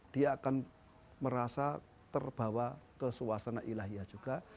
dia akan merasa terbawa ke suasana ilahiyah juga